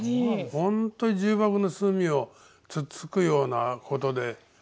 本当に重箱の隅をつっつくようなことで。